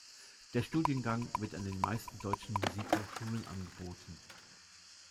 Der Studiengang wird an den meisten deutschen Musikhochschulen angeboten.